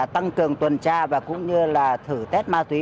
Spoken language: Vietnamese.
tăng cường tuần tra và cũng như là thử test ma túy